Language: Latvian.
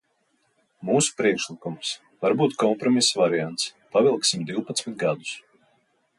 Mūsu priekšlikums, varbūt kompromisa variants: pavilksim divpadsmit gadus.